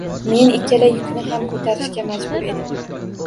Men ikkala yukni ham ko‘tarishga majbur edim